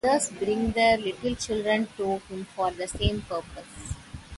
Mothers bring their little children to him for the same purpose.